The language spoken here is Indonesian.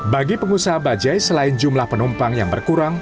bagi pengusaha bajaj selain jumlah penumpang yang berkurang